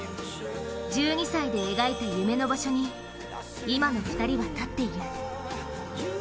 １２歳で描いた夢の場所に今の２人は立っている。